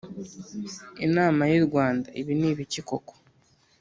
Inama y'irwanda ibinibiki koko